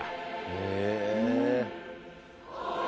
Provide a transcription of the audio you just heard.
へえ。